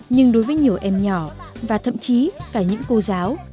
nhưng đối với nhiều em nhỏ và thậm chí cả những cô giáo